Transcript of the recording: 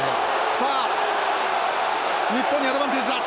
さあ日本にアドバンテージだ。